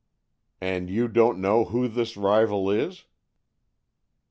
'" "And you don't know who this rival is?"